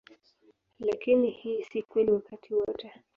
Lakini hii si kweli wakati wote.